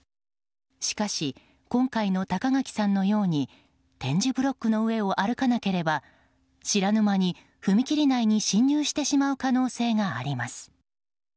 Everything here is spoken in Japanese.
しかし、今回の高垣さんのように点字ブロックの上を歩かなければ知らぬ間に踏切内に進入してしまう可能性があります。